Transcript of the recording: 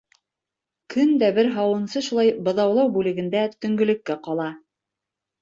Көн дә бер һауынсы шулай быҙаулау бүлегендә төнгөлөккә ҡала.